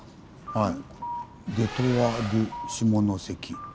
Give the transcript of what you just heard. はい。